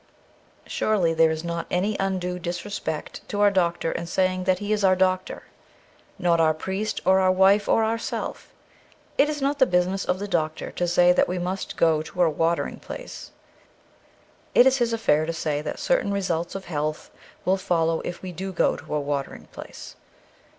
Surely there is not any undue disrespect to our doctor in saying that he is our doctor, not our priest or our wife or ourself. It is not the business of the doctor to say that we must go to a watering place ; it is his affair to say that certain results of health will follow if we do go to a watering place.